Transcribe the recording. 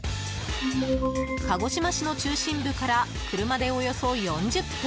鹿児島市の中心部から車でおよそ４０分。